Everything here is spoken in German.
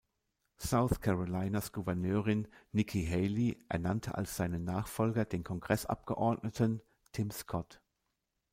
South Carolinas Gouverneurin Nikki Haley ernannte als seinen Nachfolger den Kongressabgeordneten Tim Scott.